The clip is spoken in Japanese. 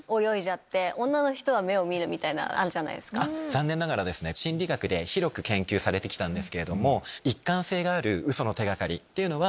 残念ながらですね心理学で広く研究されてきたんですけど一貫性がある。